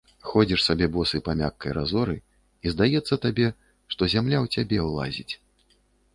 Ходзіш сабе босы па мяккай разоры, і здаецца табе, што зямля ў цябе ўлазіць.